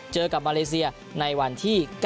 เจอกับมาเลเซียในวันที่๙